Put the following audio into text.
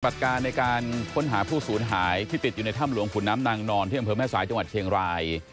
การในการค้นหาผู้สูญหายที่ติดอยู่ในถ้ำหลวงขุนน้ำนางนอนที่อำเภอแม่สายจังหวัดเชียงราย